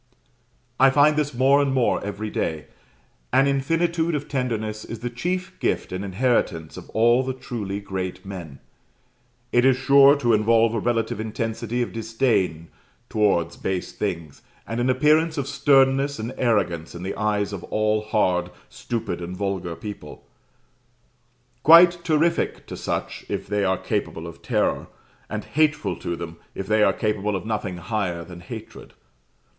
I find this more and more every day: an infinitude of tenderness is the chief gift and inheritance of all the truly great men. It is sure to involve a relative intensity of disdain towards base things, and an appearance of sternness and arrogance in the eyes of all hard, stupid, and vulgar people quite terrific to such, if they are capable of terror, and hateful to them, if they are capable of nothing higher than hatred.